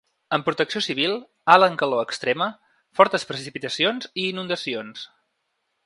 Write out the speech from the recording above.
En protecció civil, alt en calor extrema, fortes precipitacions i inundacions.